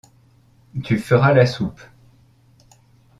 Tu feras la soupe.